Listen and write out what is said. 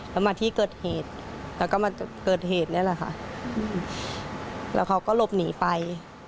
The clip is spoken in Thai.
แล้วมาที่เกิดเหตุแล้วก็มาเกิดเหตุนี่แหละค่ะแล้วเขาก็หลบหนีไป